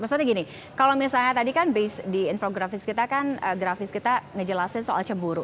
maksudnya gini kalau misalnya tadi kan base di infografis kita kan grafis kita ngejelasin soal cemburu